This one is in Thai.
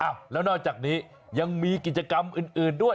แล้วนอกจากนี้ยังมีกิจกรรมอื่นด้วย